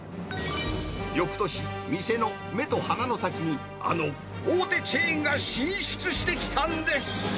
よくとし、店の目と鼻の先にあの大手チェーンが進出してきたんです。